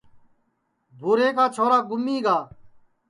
بھو رے کا چھورا گُمیگا ہے